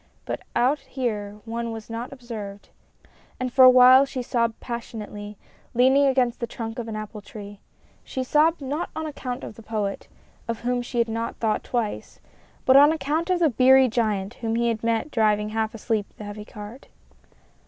But out here one was not observed, and for a while she sobbed passionately, leaning against the trunk of an apple tree. She sobbed not on account of the Poet of whom she had not thought twice but on account of the beery giant whom he had met driving half asleep the heavy cart.